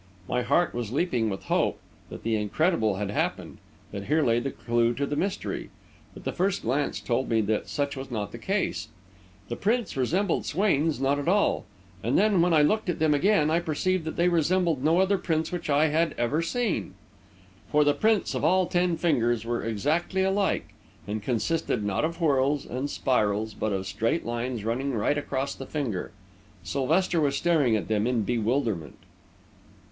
My heart was leaping with the hope that the incredible had happened; that here lay the clue to the mystery. But the first glance told me that such was not the case. The prints resembled Swain's not at all. And then, when I looked at them again, I perceived that they resembled no other prints which I had ever seen. For the prints of all ten fingers were exactly alike, and consisted, not of whorls and spirals, but of straight lines running right across the finger. Sylvester was staring at them in bewilderment.